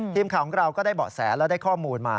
ทีมข่าวของเราก็ได้เบาะแสและได้ข้อมูลมา